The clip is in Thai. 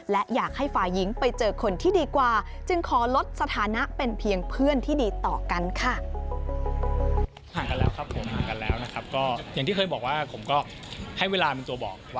และอยากให้ฝ่ายหญิงไปเจอคนที่ดีกว่าจึงขอลดสถานะเป็นเพียงเพื่อนที่ดีต่อกันค่ะ